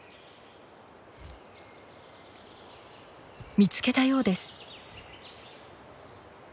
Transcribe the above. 見つけたようです。